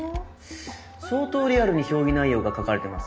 相当リアルに評議内容が書かれてますよ。